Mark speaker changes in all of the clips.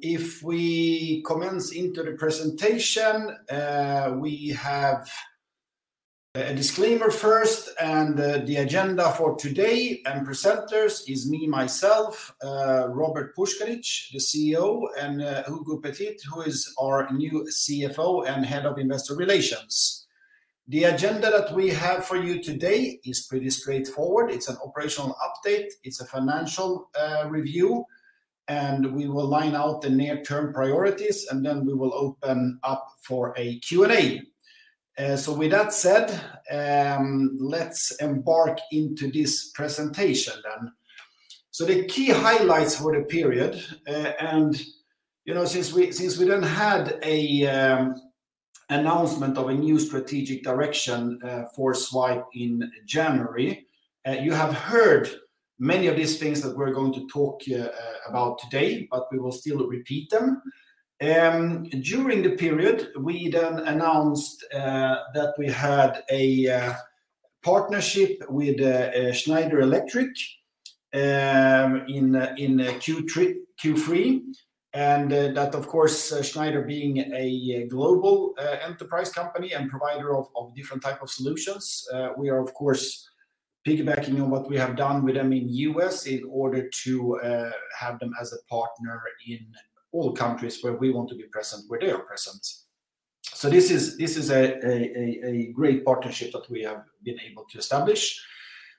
Speaker 1: If we commence into the presentation, we have a disclaimer first, and the agenda for today and presenters is me, myself, Robert Puskaric, the CEO, and Hugo Petit, who is our new CFO and head of investor relations. The agenda that we have for you today is pretty straightforward. It's an operational update. It's a financial review. We will lay out the near-term priorities, and then we will open up for a Q&A. So with that said, let's embark into this presentation then. So the key highlights for the period, and you know, since we didn't have an announcement of a new strategic direction for Zwipe in January, you have heard many of these things that we're going to talk about today, but we will still repeat them. During the period, we then announced that we had a partnership with Schneider Electric in Q3, and that, of course, Schneider being a global enterprise company and provider of different types of solutions, we are, of course, piggybacking on what we have done with them in the U.S. in order to have them as a partner in all countries where we want to be present, where they are present. So this is a great partnership that we have been able to establish.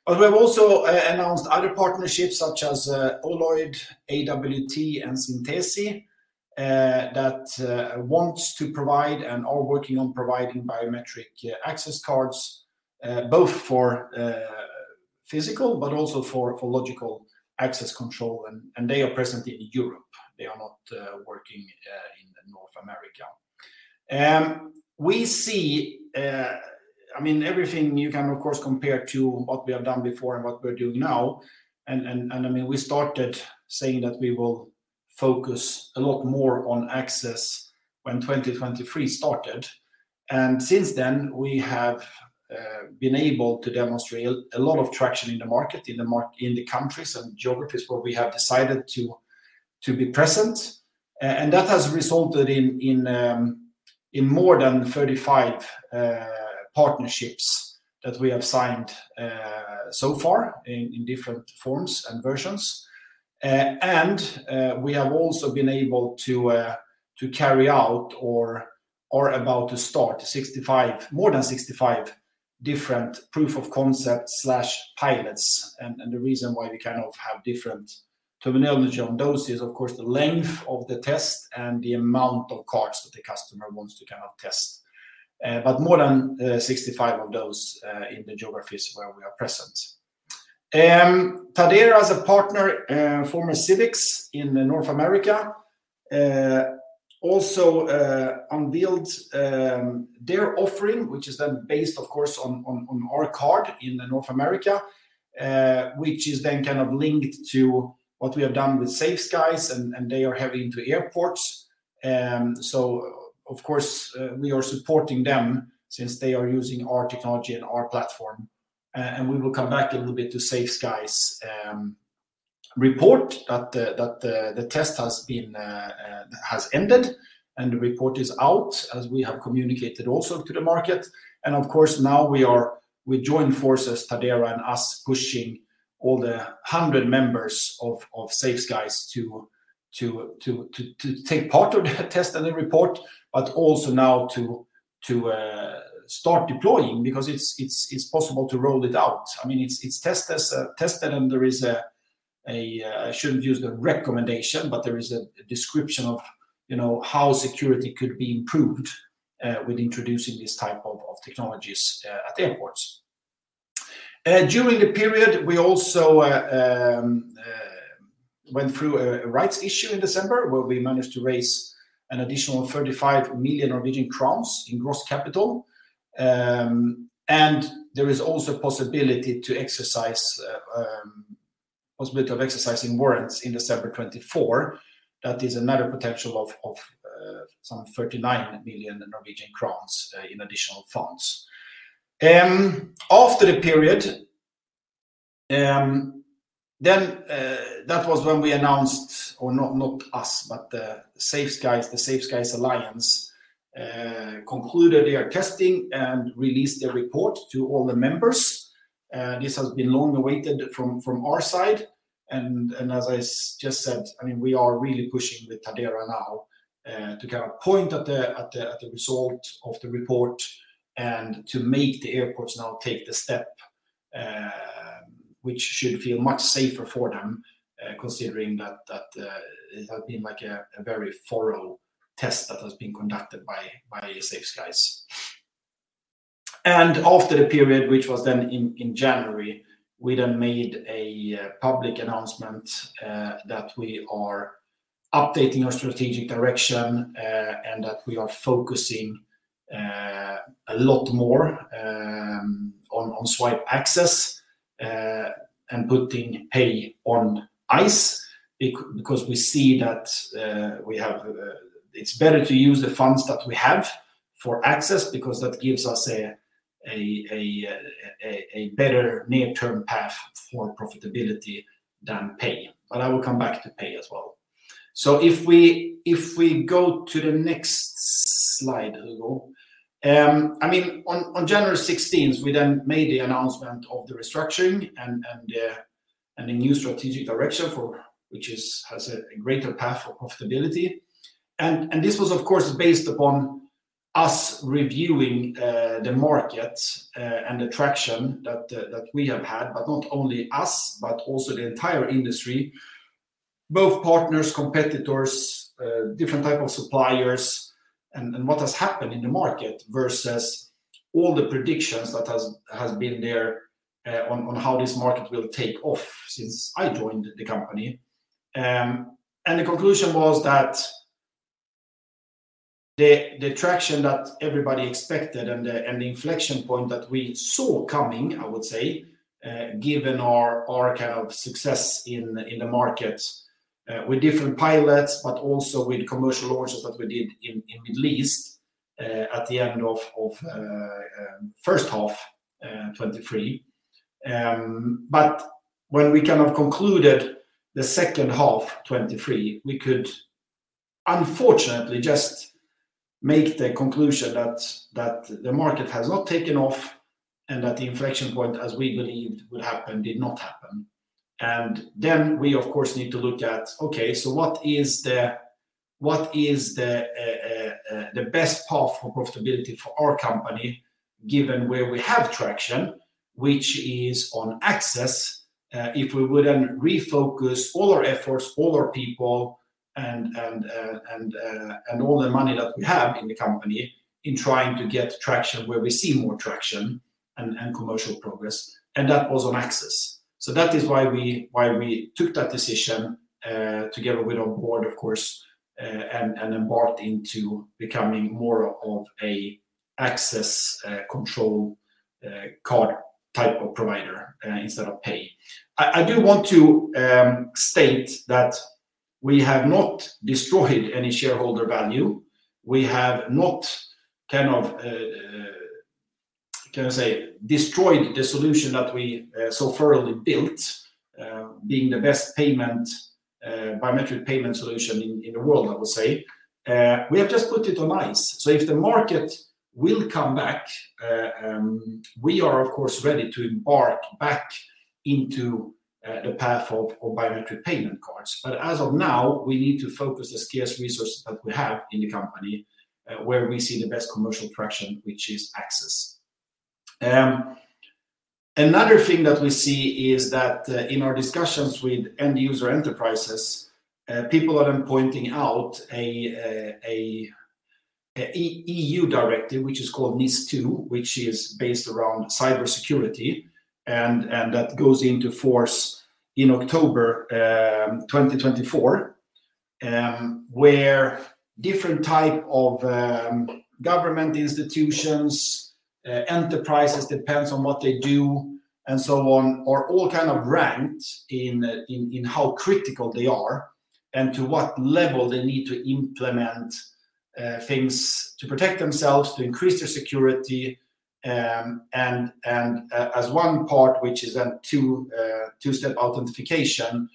Speaker 1: But we have also announced other partnerships such as Oloid, AWT, and Sintesi that wants to provide and are working on providing biometric access cards, both for physical, but also for logical access control. And they are present in Europe. They are not working in North America. We see, I mean, everything you can, of course, compare to what we have done before and what we're doing now. And I mean, we started saying that we will focus a lot more on access when 2023 started. And since then, we have been able to demonstrate a lot of traction in the market, in the countries and geographies where we have decided to be present. And that has resulted in more than 35 partnerships that we have signed so far in different forms and versions. And we have also been able to carry out or are about to start more than 65 different proof of concept slash pilots. The reason why we kind of have different terminology on those is, of course, the length of the test and the amount of cards that the customer wants to kind of test. But more than 65 of those, in the geographies where we are present. Tadera is a partner, former Civix in North America, also unveiled their offering, which is then based, of course, on our card in North America, which is then kind of linked to what we have done with Safe Skies, and they are heavy into airports. So, of course, we are supporting them since they are using our technology and our platform. And we will come back a little bit to the Safe Skies report that the test has ended, and the report is out, as we have communicated also to the market. And, of course, now we are with joined forces, Tadera and us, pushing all the 100 members of Safe Skies to take part of the test and the report, but also now to start deploying because it's possible to roll it out. I mean, it's tested, and there is a, I shouldn't use the recommendation, but there is a description of, you know, how security could be improved, with introducing this type of technologies, at airports. During the period, we also went through a rights issue in December where we managed to raise an additional 35 million Norwegian crowns in gross capital. And there is also a possibility to exercise, possibility of exercising warrants in December 2024. That is another potential of some 39 million Norwegian crowns in additional funds. After the period, then, that was when we announced, or not, not us, but the Safe Skies Alliance concluded their testing and released their report to all the members. This has been long awaited from our side. And as I just said, I mean, we are really pushing with Tadera now, to kind of point at the result of the report and to make the airports now take the step, which should feel much safer for them, considering that it has been like a very thorough test that has been conducted by Safe Skies. After the period, which was then in January, we then made a public announcement that we are updating our strategic direction, and that we are focusing a lot more on Zwipe Access, and putting Zwipe Pay on ice because we see that we have; it's better to use the funds that we have for access because that gives us a better near-term path for profitability than Zwipe Pay. But I will come back to Zwipe Pay as well. So if we go to the next slide, Hugo, I mean, on January 16th, we then made the announcement of the restructuring and the new strategic direction, which has a greater path for profitability. This was, of course, based upon us reviewing the market and the traction that we have had, but not only us, but also the entire industry, both partners, competitors, different types of suppliers, and what has happened in the market versus all the predictions that has been there, on how this market will take off since I joined the company. The conclusion was that the traction that everybody expected and the inflection point that we saw coming, I would say, given our kind of success in the market, with different pilots, but also with commercial launches that we did in the Middle East, at the end of the first half 2023. But when we kind of concluded the second half 2023, we could unfortunately just make the conclusion that the market has not taken off and that the inflection point, as we believed would happen, did not happen. And then we, of course, need to look at, okay, so what is the best path for profitability for our company given where we have traction, which is on access, if we would then refocus all our efforts, all our people, and all the money that we have in the company in trying to get traction where we see more traction and commercial progress. And that was on access. So that is why we took that decision, together with our board, of course, and embarked into becoming more of a access control card type of provider, instead of pay. I do want to state that we have not destroyed any shareholder value. We have not kind of, can I say, destroyed the solution that we so thoroughly built, being the best payment, biometric payment solution in the world, I would say. We have just put it on ice. So if the market will come back, we are, of course, ready to embark back into the path of biometric payment cards. But as of now, we need to focus the scarce resources that we have in the company, where we see the best commercial traction, which is access. Another thing that we see is that, in our discussions with end-user enterprises, people are then pointing out a EU directive, which is called NIS2, which is based around cybersecurity, and that goes into force in October 2024, where different types of government institutions, enterprises, depends on what they do and so on, are all kind of ranked in how critical they are and to what level they need to implement things to protect themselves, to increase their security. As one part, which is then two-step authentication,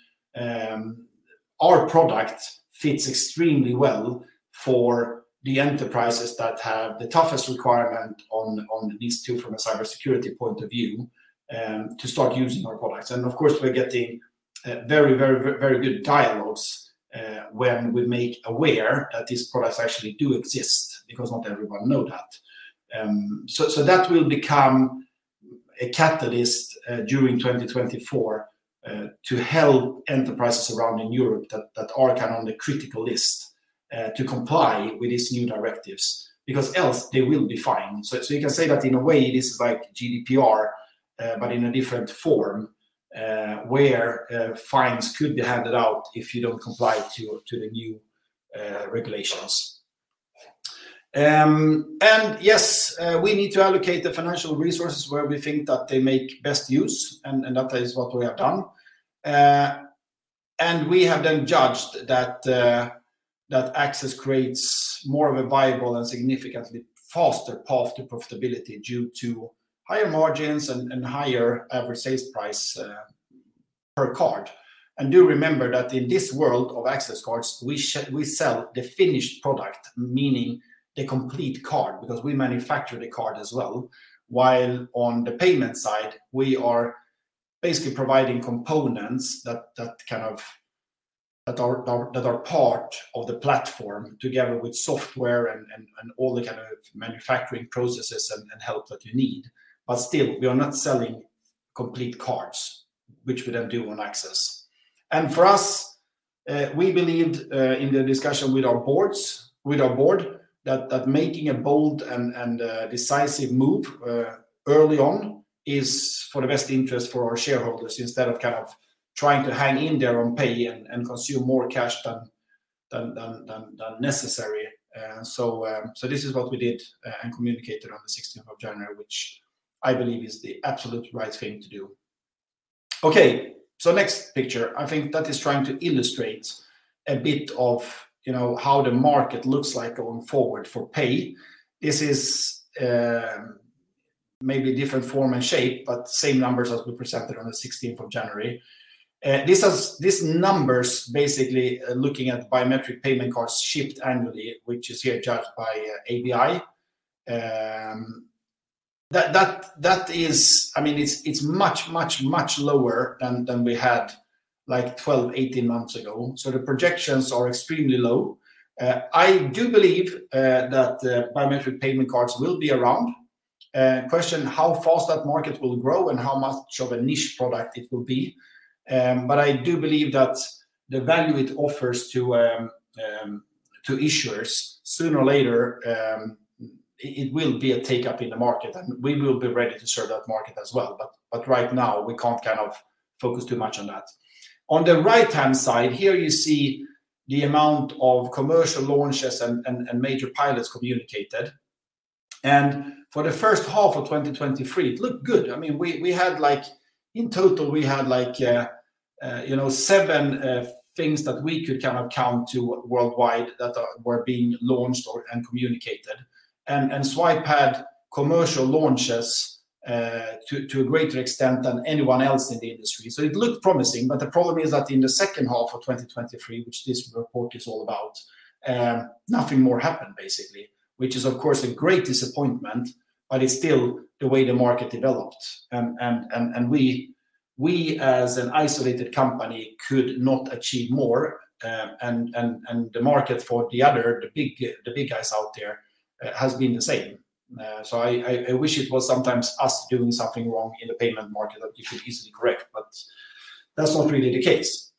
Speaker 1: our product fits extremely well for the enterprises that have the toughest requirement on NIS2 from a cybersecurity point of view, to start using our products. And, of course, we're getting very, very, very good dialogues, when we make aware that these products actually do exist because not everyone knows that. So that will become a catalyst during 2024 to help enterprises around in Europe that are kind of on the critical list to comply with these new directives because else they will be fined. So you can say that in a way, this is like GDPR, but in a different form, where fines could be handed out if you don't comply to the new regulations. Yes, we need to allocate the financial resources where we think that they make best use, and that is what we have done. We have then judged that access creates more of a viable and significantly faster path to profitability due to higher margins and higher average sales price per card. And do remember that in this world of access cards, we sell the finished product, meaning the complete card, because we manufacture the card as well, while on the payment side, we are basically providing components that kind of are part of the platform together with software and all the kind of manufacturing processes and help that you need. But still, we are not selling complete cards, which we then do on access. And for us, we believed, in the discussion with our board, that making a bold and decisive move, early on is for the best interest for our shareholders instead of kind of trying to hang in there on pay and consume more cash than necessary. So, this is what we did, and communicated on the 16th of January, which I believe is the absolute right thing to do. Okay, so next picture. I think that is trying to illustrate a bit of, you know, how the market looks like going forward for Pay. This is, maybe different form and shape, but same numbers as we presented on the 16th of January. This has these numbers basically looking at biometric payment cards shipped annually, which is here judged by ABI. That is, I mean, it's much, much lower than we had like 12, 18 months ago. So the projections are extremely low. I do believe that biometric payment cards will be around. Question how fast that market will grow and how much of a niche product it will be. But I do believe that the value it offers to issuers sooner or later, it will be a take-up in the market, and we will be ready to serve that market as well. But right now, we can't kind of focus too much on that. On the right-hand side here, you see the amount of commercial launches and major pilots communicated. And for the first half of 2023, it looked good. I mean, we had like in total, we had like, you know, seven things that we could kind of count to worldwide that were being launched or communicated. And Zwipe had commercial launches to a greater extent than anyone else in the industry. So it looked promising. But the problem is that in the second half of 2023, which this report is all about, nothing more happened, basically, which is, of course, a great disappointment, but it's still the way the market developed. We, as an isolated company, could not achieve more. And the market for the other big guys out there has been the same. So I wish it was sometimes us doing something wrong in the payment market that we could easily correct, but that's not really the case.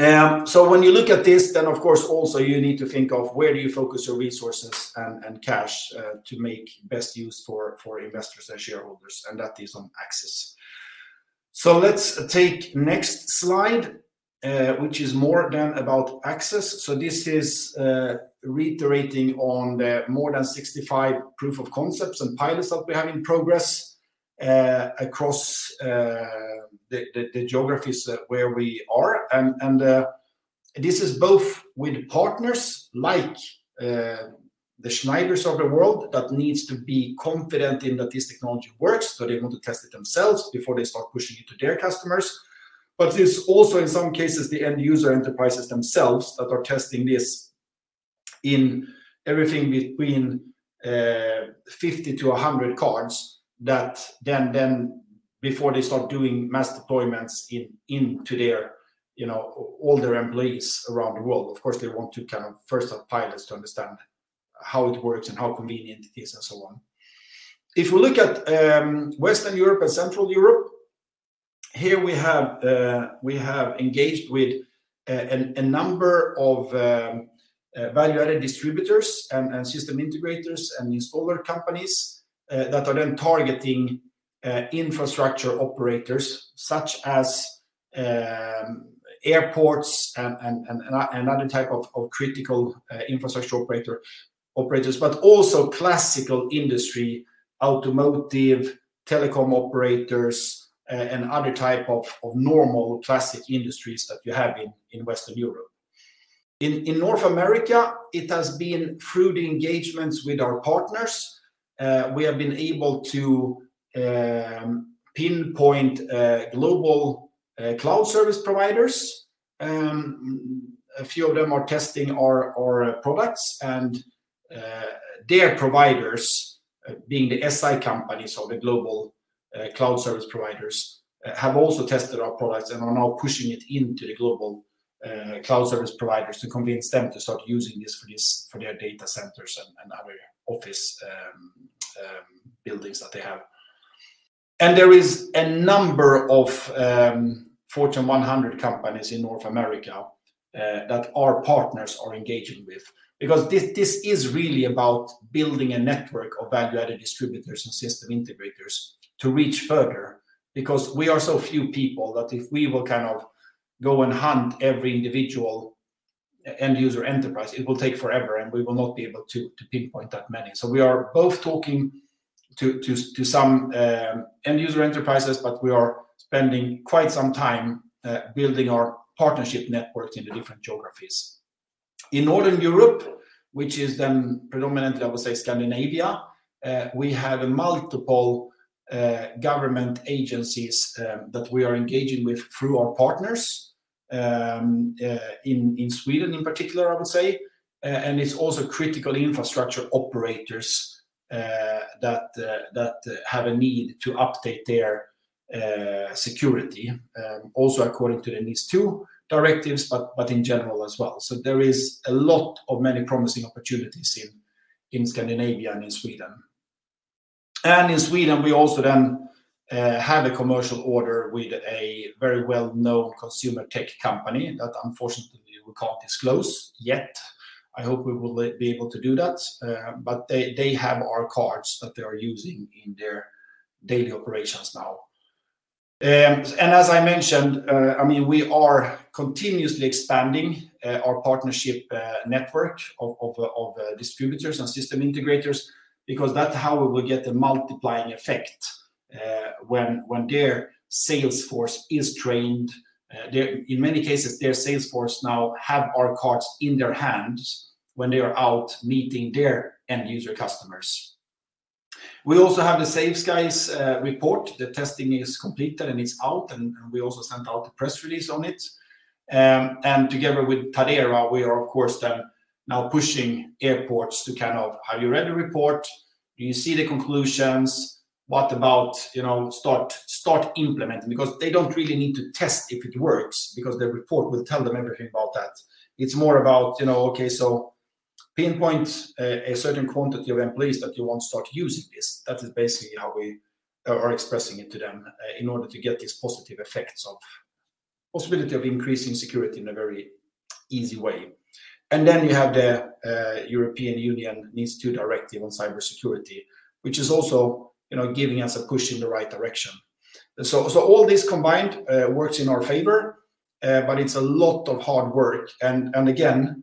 Speaker 1: So when you look at this, then, of course, also you need to think of where do you focus your resources and cash to make best use for investors and shareholders, and that is on access. So let's take next slide, which is more than about access. So this is reiterating on the more than 65 proof of concepts and pilots that we have in progress across the geographies where we are. And this is both with partners like the Schneiders of the world that needs to be confident in that this technology works so they want to test it themselves before they start pushing it to their customers. But it's also in some cases the end-user enterprises themselves that are testing this in everything between 50-100 cards that then before they start doing mass deployments into their you know all their employees around the world, of course, they want to kind of first have pilots to understand how it works and how convenient it is and so on. If we look at Western Europe and Central Europe, here we have engaged with a number of value-added distributors and system integrators and installer companies that are then targeting infrastructure operators such as airports and another type of critical infrastructure operators, but also classical industry, automotive, telecom operators, and other type of normal classic industries that you have in Western Europe. In North America, it has been through the engagements with our partners. We have been able to pinpoint global cloud service providers. A few of them are testing our products, and their providers, being the SI companies or the global cloud service providers, have also tested our products and are now pushing it into the global cloud service providers to convince them to start using this for their data centers and other office buildings that they have. There is a number of Fortune 100 companies in North America that our partners are engaging with because this is really about building a network of value-added distributors and system integrators to reach further because we are so few people that if we will kind of go and hunt every individual end-user enterprise, it will take forever, and we will not be able to pinpoint that many. So we are both talking to some end-user enterprises, but we are spending quite some time building our partnership networks in the different geographies. In Northern Europe, which is then predominantly, I would say, Scandinavia, we have multiple government agencies that we are engaging with through our partners in Sweden in particular, I would say. It's also critical infrastructure operators that have a need to update their security, also according to the NIS2 directives, but in general as well. So there is a lot of many promising opportunities in Scandinavia and in Sweden. And in Sweden, we also then have a commercial order with a very well-known consumer tech company that unfortunately we can't disclose yet. I hope we will be able to do that. But they have our cards that they are using in their daily operations now. As I mentioned, I mean, we are continuously expanding our partnership network of distributors and system integrators because that's how we will get the multiplying effect, when their sales force is trained. They're in many cases, their sales force now have our cards in their hands when they are out meeting their end-user customers. We also have the Safe Skies report. The testing is completed and it's out, and we also sent out a press release on it. And together with Tadera, we are, of course, then now pushing airports to kind of, "Have you read the report? Do you see the conclusions? What about, you know, start implementing?" because they don't really need to test if it works because the report will tell them everything about that. It's more about, you know, "Okay, so pinpoint a certain quantity of employees that you want to start using this." That is basically how we are expressing it to them, in order to get these positive effects of possibility of increasing security in a very easy way. And then you have the European Union NIS2 directive on cybersecurity, which is also, you know, giving us a push in the right direction. So all this combined works in our favor, but it's a lot of hard work. And again,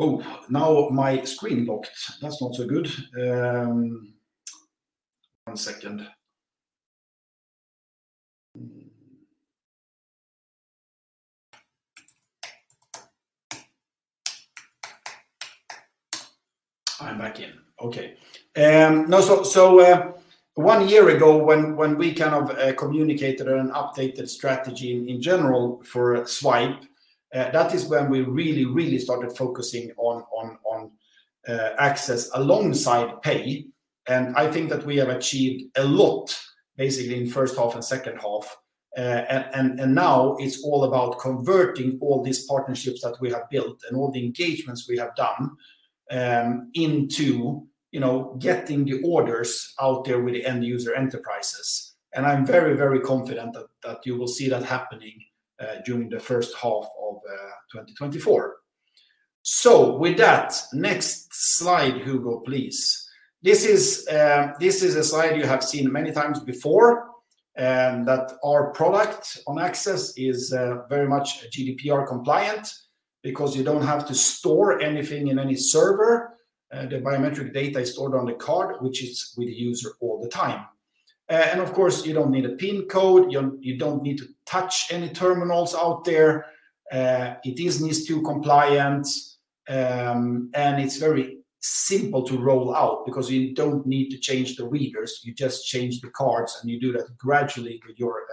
Speaker 1: oh, now my screen locked. That's not so good. One second. I'm back in. Okay. No, so one year ago when we kind of communicated an updated strategy in general for Zwipe, that is when we really, really started focusing on access alongside pay. I think that we have achieved a lot, basically, in first half and second half. And now it's all about converting all these partnerships that we have built and all the engagements we have done, into, you know, getting the orders out there with the end-user enterprises. And I'm very, very confident that you will see that happening, during the first half of 2024. So with that, next slide, Hugo, please. This is a slide you have seen many times before, that our product on access is very much GDPR compliant because you don't have to store anything in any server. The biometric data is stored on the card, which is with the user all the time. And of course, you don't need a PIN code. You don't need to touch any terminals out there. It is NIS2 compliant, and it's very simple to roll out because you don't need to change the readers. You just change the cards, and you do that gradually with your,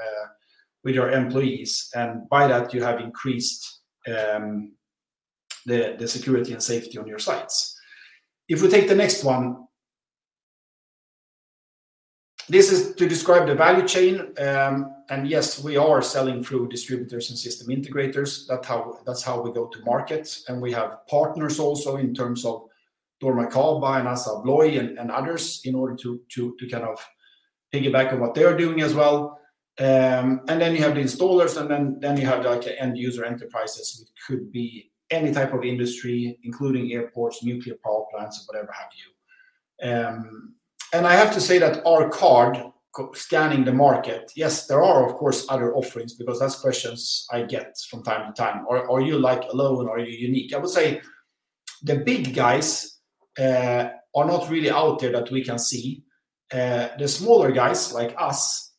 Speaker 1: with your employees. And by that, you have increased the security and safety on your sites. If we take the next one, this is to describe the value chain. Yes, we are selling through distributors and system integrators. That's how we go to market. And we have partners also in terms of dormakaba, ASSA ABLOY, and others in order to kind of piggyback on what they are doing as well. Then you have the installers, and then you have like end-user enterprises, which could be any type of industry, including airports, nuclear power plants, or whatever have you. I have to say that our card scanning the market yes, there are, of course, other offerings because that's questions I get from time to time. "Are, are you like alone? Are you unique?" I would say the big guys are not really out there that we can see. The smaller guys like us,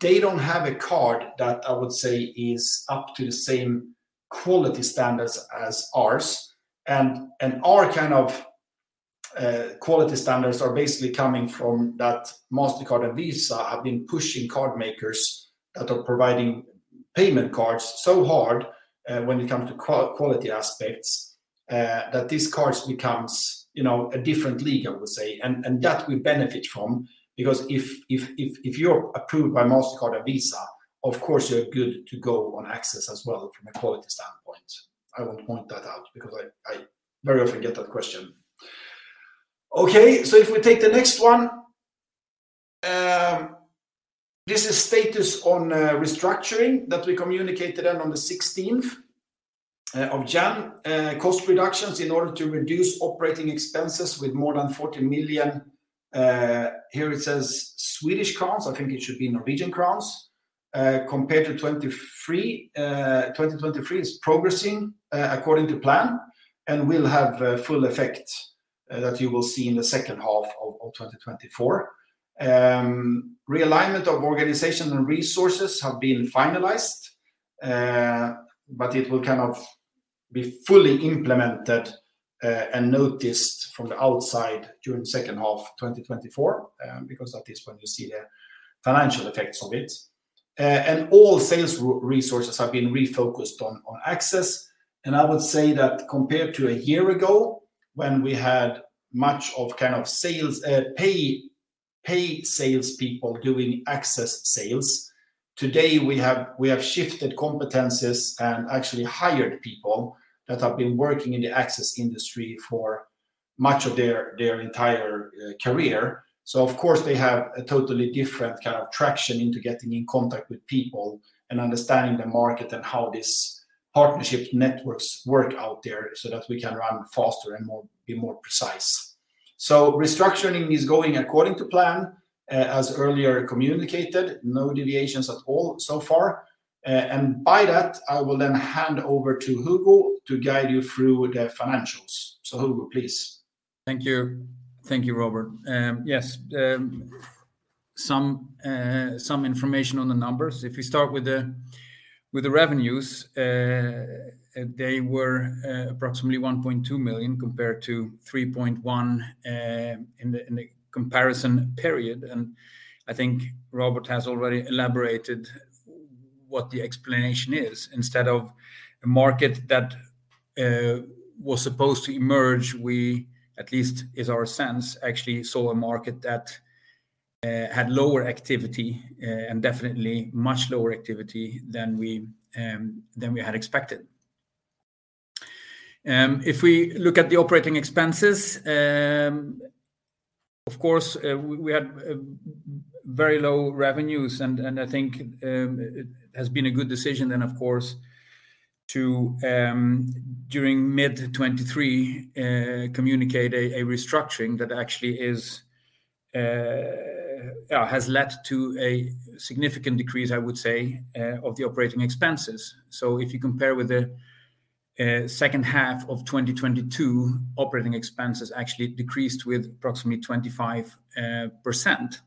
Speaker 1: they don't have a card that I would say is up to the same quality standards as ours. And our kind of quality standards are basically coming from that Mastercard and Visa have been pushing card makers that are providing payment cards so hard, when it comes to quality aspects, that these cards becomes, you know, a different league, I would say, and that we benefit from because if you're approved by Mastercard and Visa, of course, you're good to go on access as well from a quality standpoint. I will point that out because I, I very often get that question. Okay. So if we take the next one, this is status on restructuring that we communicated then on the 16th of January, cost reductions in order to reduce operating expenses with more than 40 million. Here it says Swedish crowns. I think it should be Norwegian crowns, compared to 2023. 2023 is progressing according to plan, and will have full effect that you will see in the second half of 2024. Realignment of organization and resources have been finalized, but it will kind of be fully implemented and noticed from the outside during the second half of 2024, because that is when you see the financial effects of it. All sales resources have been refocused on access. I would say that compared to a year ago when we had much of kind of sales, pay salespeople doing access sales, today we have shifted competences and actually hired people that have been working in the access industry for much of their entire career. So, of course, they have a totally different kind of traction into getting in contact with people and understanding the market and how these partnership networks work out there so that we can run faster and be more precise. So restructuring is going according to plan, as earlier communicated, no deviations at all so far. By that, I will then hand over to Hugo to guide you through the financials. So, Hugo, please. Thank you. Thank you, Robert. Yes, some information on the numbers.
Speaker 2: If we start with the revenues, they were approximately 1.2 million compared to 3.1 million in the comparison period. And I think Robert has already elaborated what the explanation is. Instead of a market that was supposed to emerge, we at least is our sense actually saw a market that had lower activity, and definitely much lower activity than we than we had expected. If we look at the operating expenses, of course, we had very low revenues. And and I think it has been a good decision then, of course, to during mid-2023 communicate a a restructuring that actually is yeah has led to a significant decrease, I would say, of the operating expenses. So if you compare with the second half of 2022, operating expenses actually decreased with approximately 25%.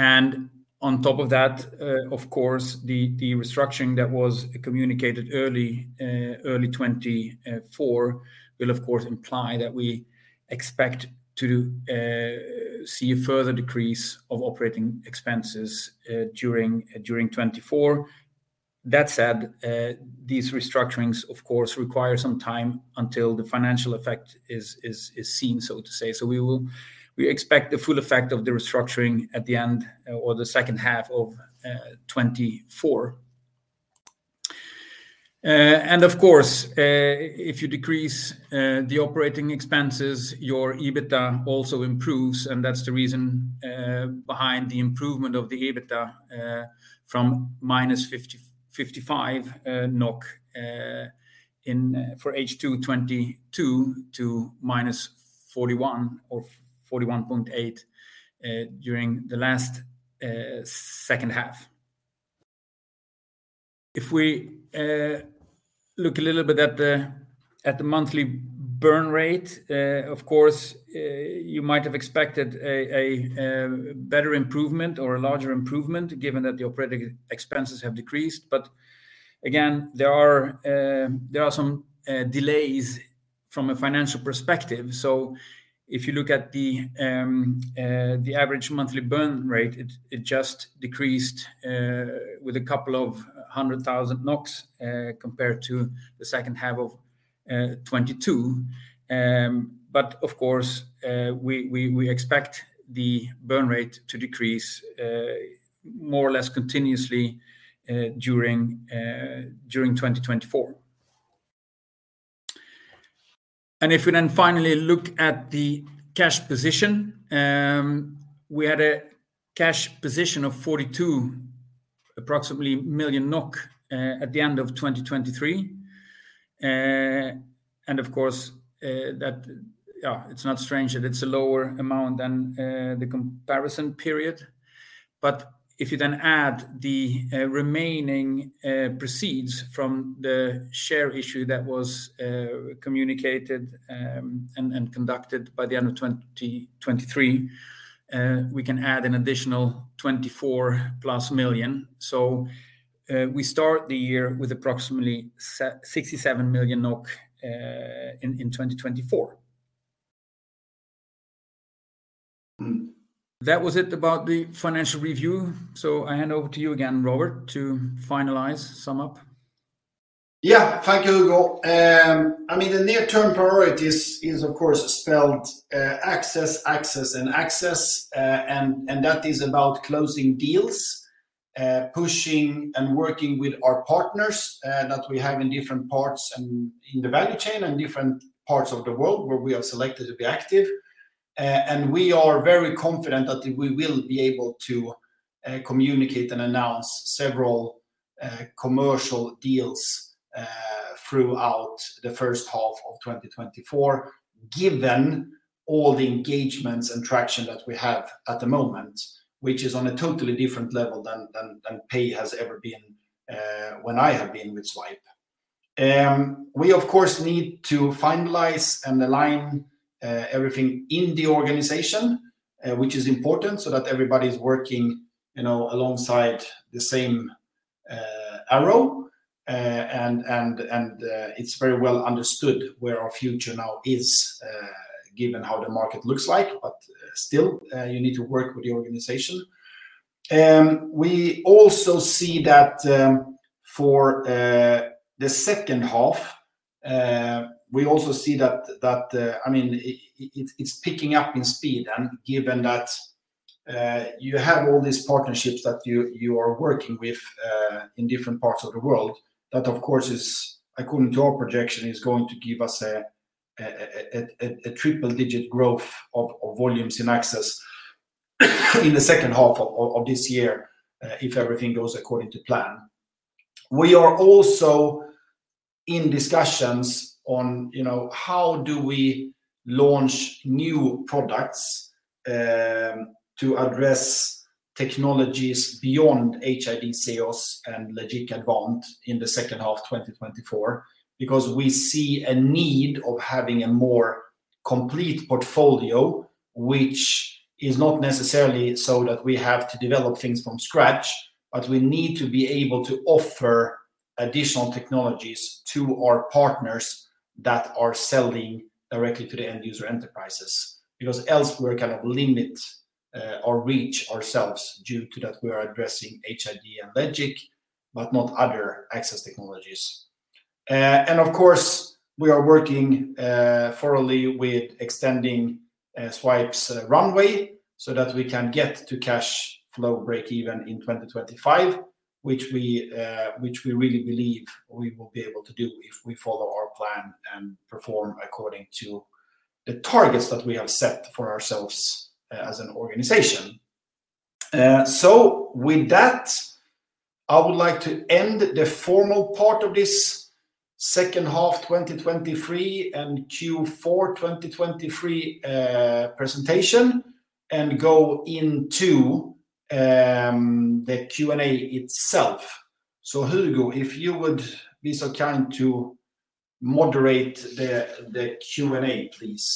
Speaker 2: And on top of that, of course, the restructuring that was communicated early 2024 will, of course, imply that we expect to see a further decrease of operating expenses during 2024. That said, these restructurings, of course, require some time until the financial effect is seen, so to say. So we expect the full effect of the restructuring at the end or the second half of 2024. And of course, if you decrease the operating expenses, your EBITDA also improves. And that's the reason behind the improvement of the EBITDA from minus 50.55 NOK in H2 2022 to minus 41 or 41.8 during the last second half. If we look a little bit at the monthly burn rate, of course, you might have expected a better improvement or a larger improvement given that the operating expenses have decreased. But again, there are some delays from a financial perspective. So if you look at the average monthly burn rate, it just decreased with 200,000 NOK, compared to the second half of 2022. But of course, we expect the burn rate to decrease more or less continuously during 2024. And if we then finally look at the cash position, we had a cash position of approximately 42 million NOK at the end of 2023. And of course, that, yeah, it's not strange that it's a lower amount than the comparison period. But if you then add the remaining proceeds from the share issue that was communicated and conducted by the end of 2023, we can add an additional 24+ million. So we start the year with approximately 67 million NOK in 2024. That was it about the financial review. So I hand over to you again, Robert, to finalize sum up.
Speaker 1: Yeah, thank you, Hugo. I mean, the near-term priority is of course access, access, and access. That is about closing deals, pushing and working with our partners that we have in different parts and in the value chain and different parts of the world where we have selected to be active. We are very confident that we will be able to communicate and announce several commercial deals throughout the first half of 2024, given all the engagements and traction that we have at the moment, which is on a totally different level than pay has ever been when I have been with Zwipe. We, of course, need to finalize and align everything in the organization, which is important so that everybody is working, you know, alongside the same arrow. And it's very well understood where our future now is, given how the market looks like. But still, you need to work with the organization. We also see that for the second half, we also see that I mean, it's picking up in speed and given that you have all these partnerships that you are working with in different parts of the world that, of course, is according to our projection, is going to give us a triple-digit growth of volumes in access in the second half of this year, if everything goes according to plan. We are also in discussions on, you know, how do we launch new products, to address technologies beyond HID Seos and LEGIC Advant in the second half of 2024 because we see a need of having a more complete portfolio, which is not necessarily so that we have to develop things from scratch, but we need to be able to offer additional technologies to our partners that are selling directly to the end-user enterprises because else we're kind of limiting our reach ourselves due to that we are addressing HID and LEGIC, but not other access technologies. Of course, we are working thoroughly with extending Zwipe's runway so that we can get to cash flow break-even in 2025, which we, which we really believe we will be able to do if we follow our plan and perform according to the targets that we have set for ourselves as an organization. With that, I would like to end the formal part of this second half 2023 and Q4 2023 presentation and go into the Q&A itself. So, Hugo, if you would be so kind to moderate the Q&A, please.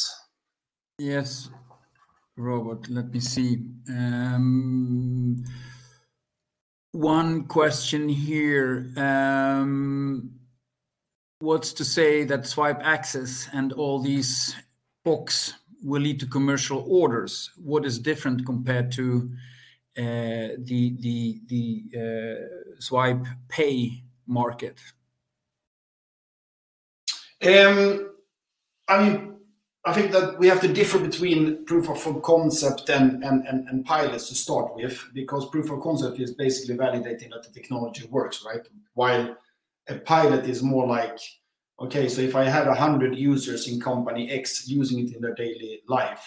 Speaker 2: Yes, Robert, let me see. One question here. What's to say that Zwipe Access and all these hooks will lead to commercial orders? What is different compared to the Zwipe Pay market?
Speaker 1: I mean, I think that we have to differ between proof of concept and pilots to start with because proof of concept is basically validating that the technology works, right? While a pilot is more like, okay, so if I had 100 users in company X using it in their daily life,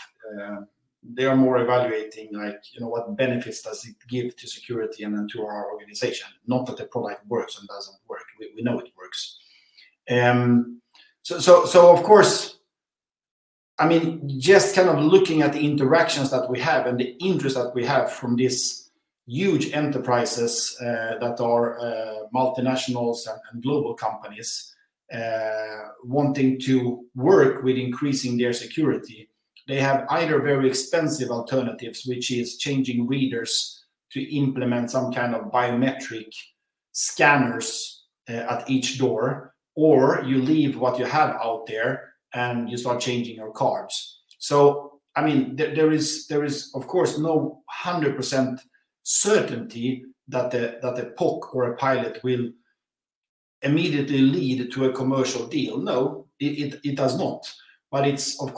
Speaker 1: they are more evaluating, like, you know, what benefits does it give to security and then to our organization? Not that the product works and doesn't work. We know it works. So, of course, I mean, just kind of looking at the interactions that we have and the interest that we have from these huge enterprises that are multinationals and global companies wanting to work with increasing their security, they have either very expensive alternatives, which is changing readers to implement some kind of biometric scanners at each door, or you leave what you have out there and you start changing your cards. So, I mean, there is, of course, no 100% certainty that the POC or a pilot will immediately lead to a commercial deal. No, it does not. But it's, of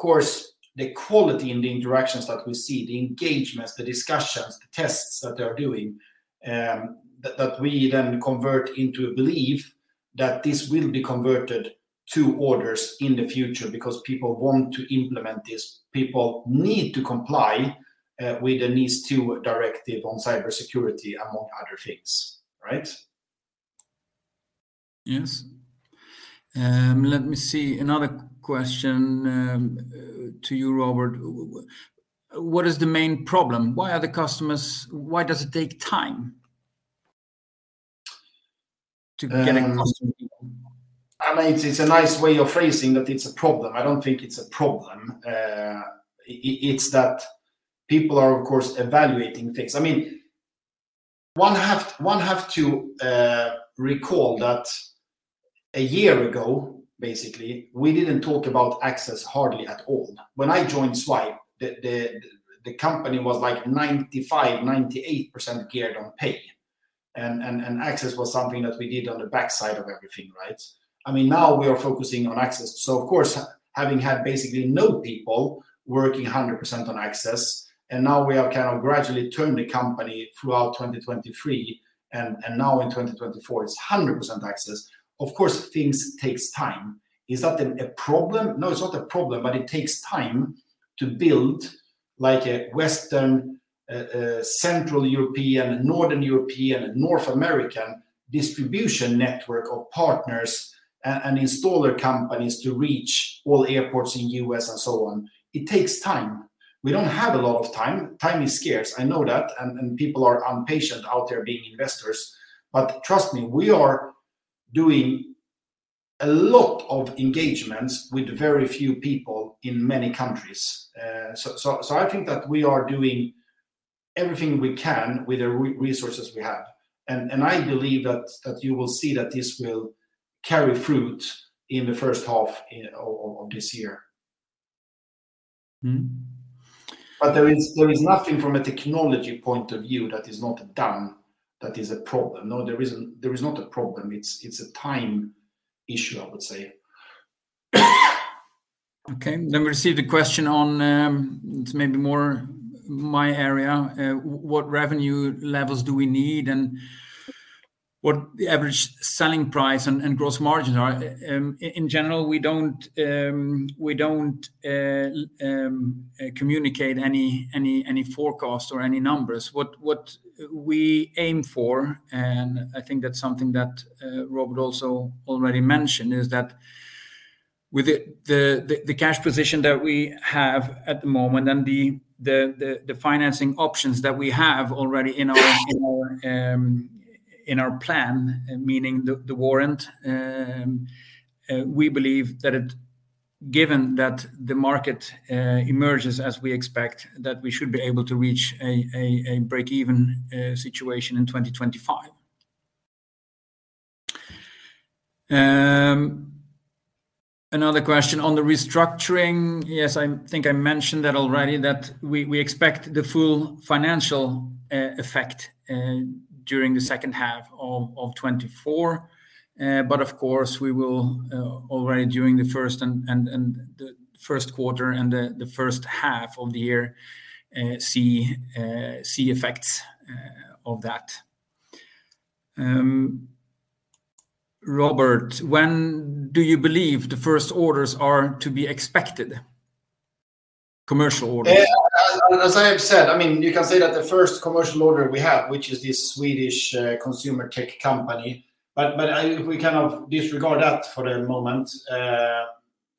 Speaker 1: course, the quality in the interactions that we see, the engagements, the discussions, the tests that they are doing, that we then convert into a belief that this will be converted to orders in the future because people want to implement this. People need to comply with the NIS2 directive on cybersecurity, among other things, right?
Speaker 2: Yes. Let me see another question, to you, Robert. What is the main problem? Where are the customers? Why does it take time to get a customer?
Speaker 1: I mean, it's a nice way of phrasing that it's a problem. I don't think it's a problem. It's that people are, of course, evaluating things. I mean, one have to recall that a year ago, basically, we didn't talk about access hardly at all. When I joined Zwipe, the company was like 95%-98% geared on pay. Access was something that we did on the backside of everything, right? I mean, now we are focusing on access. So, of course, having had basically no people working 100% on access, and now we have kind of gradually turned the company throughout 2023. And now in 2024, it's 100% access. Of course, things take time. Is that a problem? No, it's not a problem, but it takes time to build like a Western, Central European, Northern European, North American distribution network of partners and installer companies to reach all airports in the U.S. and so on. It takes time. We don't have a lot of time. Time is scarce. I know that. And people are impatient out there being investors. But trust me, we are doing a lot of engagements with very few people in many countries. So, I think that we are doing everything we can with the resources we have. And I believe that you will see that this will bear fruit in the first half of this year. But there is nothing from a technology point of view that is not done that is a problem. No, there isn't a problem. It's a time issue, I would say.
Speaker 2: Okay. Let me receive the question on; it's maybe more my area. What revenue levels do we need and what the average selling price and gross margins are? In general, we don't communicate any forecast or any numbers. What we aim for, and I think that's something that Robert also already mentioned, is that with the cash position that we have at the moment and the financing options that we have already in our plan, meaning the warrant, we believe that, given that the market emerges as we expect, that we should be able to reach a break-even situation in 2025. Another question on the restructuring. Yes, I think I mentioned that already, that we expect the full financial effect during the second half of 2024. But of course, we will already during the first and the first quarter and the first half of the year see effects of that. Robert, when do you believe the first orders are to be expected? Commercial orders.
Speaker 1: Yeah, as I have said, I mean, you can say that the first commercial order we have, which is this Swedish consumer tech company, but, but we kind of disregard that for the moment.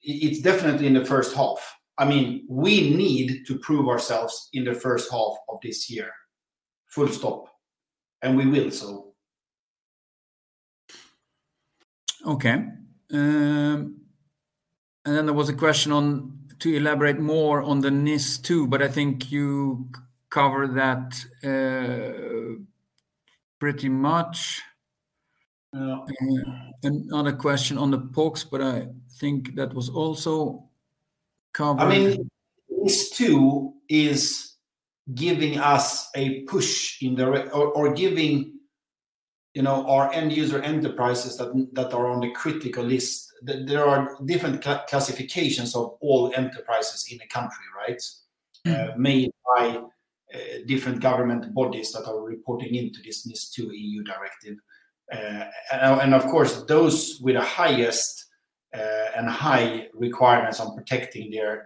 Speaker 1: It's definitely in the first half. I mean, we need to prove ourselves in the first half of this year. And we will so.
Speaker 2: Okay. And then there was a question on to elaborate more on the NIS2, but I think you covered that, pretty much. Another question on the POCs, but I think that was also covered.
Speaker 1: I mean, NIS2 is giving us a push in the or giving, you know, our end-user enterprises that, that are on the critical list. There are different classifications of all enterprises in the country, right? Made by, different government bodies that are reporting into this NIS2 EU directive. And of course, those with the highest and high requirements on protecting their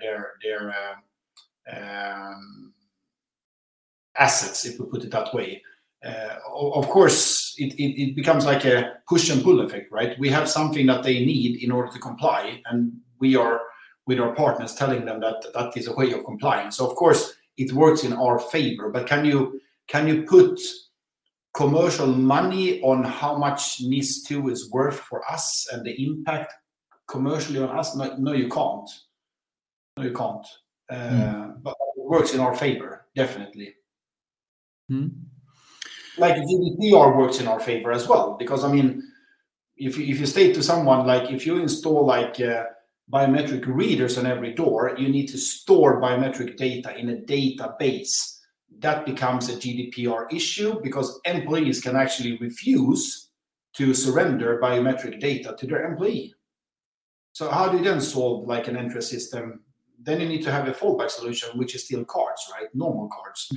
Speaker 1: assets, if we put it that way. Of course, it becomes like a push and pull effect, right? We have something that they need in order to comply, and we are with our partners telling them that that is a way of complying. So, of course, it works in our favor. But can you put commercial money on how much NIS2 is worth for us and the impact commercially on us? No, you can't. No, you can't. But it works in our favor, definitely. Like, GDPR works in our favor as well because, I mean, if you say to someone, like, if you install, like, biometric readers on every door, you need to store biometric data in a database, that becomes a GDPR issue because employees can actually refuse to surrender biometric data to their employee. So how do you then solve, like, an entry system? Then you need to have a fallback solution, which is still cards, right? Normal cards.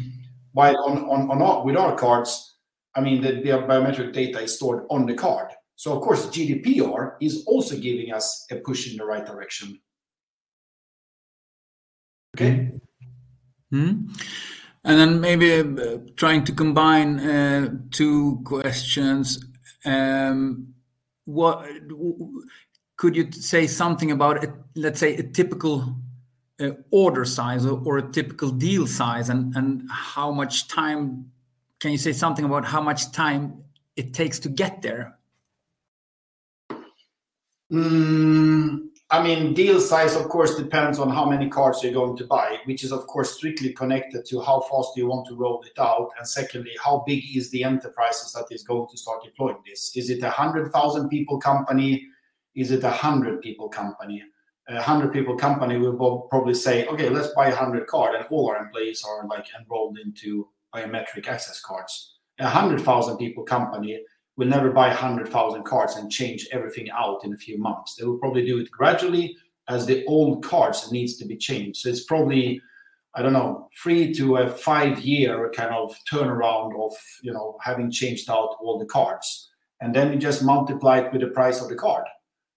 Speaker 1: While on with our cards, I mean, the biometric data is stored on the card. So, of course, GDPR is also giving us a push in the right direction. Okay.
Speaker 2: And then maybe trying to combine two questions. What could you say something about, let's say, a typical order size or a typical deal size and how much time can you say something about how much time it takes to get there?
Speaker 1: I mean, deal size, of course, depends on how many cards you're going to buy, which is, of course, strictly connected to how fast you want to roll it out. And secondly, how big is the enterprises that is going to start deploying this? Is it a 100,000 people company? Is it a 100 people company? A 100 people company will probably say, "Okay, let's buy 100 cards." And all our employees are, like, enrolled into biometric access cards. A 100,000 people company will never buy 100,000 cards and change everything out in a few months. They will probably do it gradually as the old cards need to be changed. So it's probably, I don't know, 3- to 5-year kind of turnaround of, you know, having changed out all the cards. And then you just multiply it with the price of the card.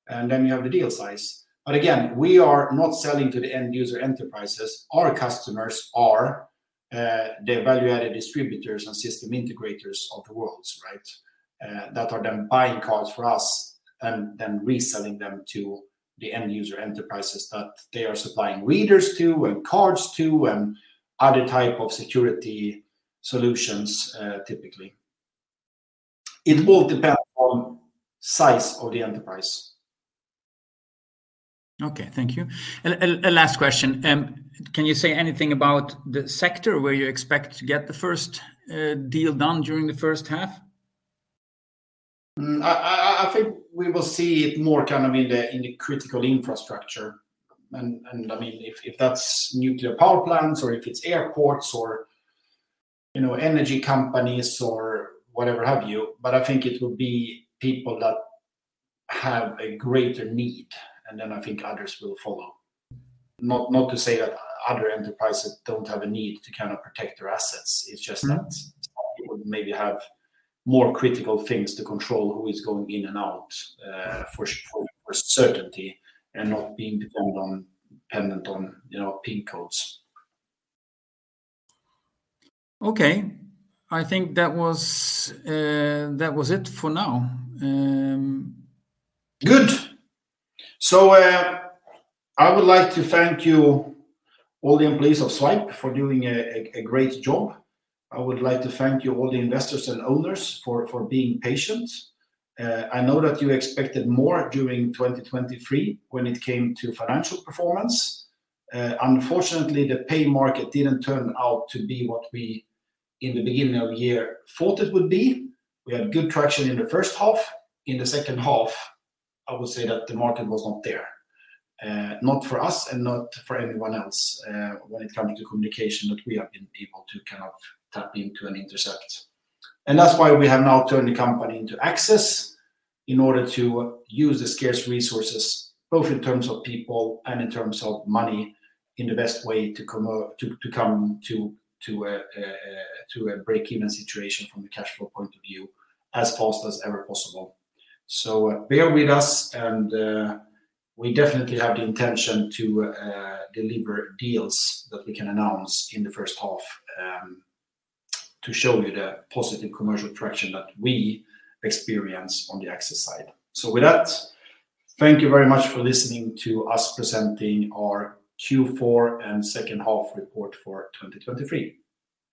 Speaker 1: And then you have the deal size. But again, we are not selling to the end-user enterprises. Our customers are the value-added distributors and system integrators of the world, right? That are then buying cards for us and then reselling them to the end-user enterprises that they are supplying readers to and cards to and other types of security solutions, typically. It will depend on size of the enterprise.
Speaker 2: Okay. Thank you. And a last question. Can you say anything about the sector where you expect to get the first deal done during the first half?
Speaker 1: I think we will see it more kind of in the critical infrastructure. And I mean, if that's nuclear power plants or if it's airports or, you know, energy companies or whatever have you. But I think it will be people that have a greater need. And then I think others will follow. Not to say that other enterprises don't have a need to kind of protect their assets. It's just that people maybe have more critical things to control who is going in and out, for certainty and not being dependent on dependent on, you know, PIN codes. Okay. I think that was, that was it for now. Good. So, I would like to thank you, all the employees of Zwipe, for doing a, a great job. I would like to thank you, all the investors and owners, for, for being patient. I know that you expected more during 2023 when it came to financial performance. Unfortunately, the pay market didn't turn out to be what we in the beginning of the year thought it would be. We had good traction in the first half. In the second half, I would say that the market was not there, not for us and not for anyone else, when it comes to communication that we have been able to kind of tap into and intercept. And that's why we have now turned the company into Access in order to use the scarce resources, both in terms of people and in terms of money, in the best way to come to a break-even situation from the cash flow point of view as fast as ever possible. So bear with us. We definitely have the intention to deliver deals that we can announce in the first half to show you the positive commercial traction that we experience on the Access side. So with that, thank you very much for listening to us presenting our Q4 and second half report for 2023.